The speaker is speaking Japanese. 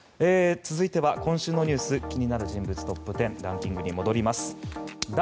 続いては今週のニュース気になる人物トップ１０のランキングに戻ります。